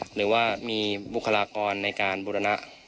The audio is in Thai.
หรือว่ามีบุคลากรในการบุรณะ